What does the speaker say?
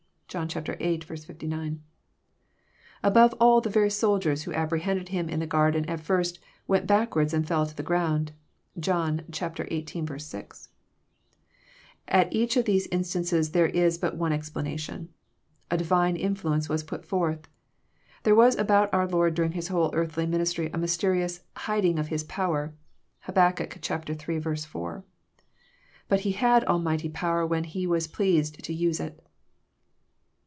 (John viii. 59.) Above all, the very soldiers who apprehended Him in the garden, at first " went backward and fell to the ground." (John xviii. 6.) In each of these instances there is but one explanation. A Divine influence was put forth. There was about our Lord during His whole earthly ministry a mysterious " hiding of His power." (Hab. iii. 4.) But He had almighty power when He was pleased to use it.